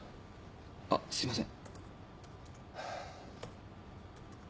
あっすいません。